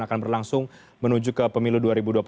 akan berlangsung menuju ke pemilu